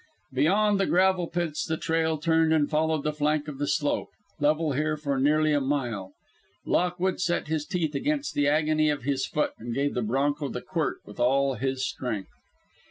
Beyond the gravel pits the trail turned and followed the flank of the slope, level here for nearly a mile. Lockwood set his teeth against the agony of his foot and gave the bronco the quirt with all his strength.